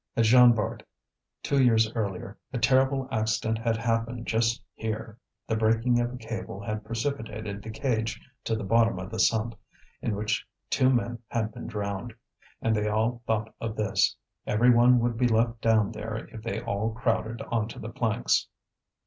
At Jean Bart, two years earlier, a terrible accident had happened just here; the breaking of a cable had precipitated the cage to the bottom of the sump, in which two men had been drowned. And they all thought of this; every one would be left down there if they all crowded on to the planks.